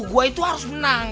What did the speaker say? gue itu harus menang